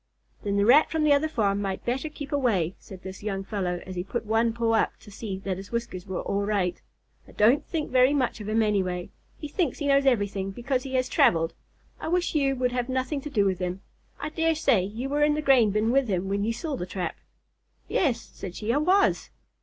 "Then the Rat from the other farm might better keep away," said this young fellow, as he put one paw up to see that his whiskers were all right. "I don't think very much of him anyway. He thinks he knows everything because he has travelled. I wish you would have nothing to do with him. I dare say you were in the grain bin with him when you saw the trap." "Yes," said she, "I was."